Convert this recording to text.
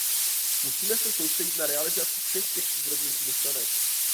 Musíme se soustředit na realizaci všech těchto dobrých myšlenek.